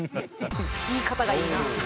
言い方がいいな。